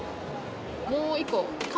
もう１個。